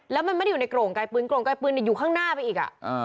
แล้วมันไม่ได้อยู่ในโกร่งไกลปืนโกร่งไกลปืนอยู่ข้างหน้าไปอีก